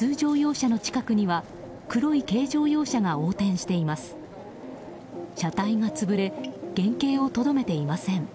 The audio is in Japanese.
車体が潰れ原形をとどめていません。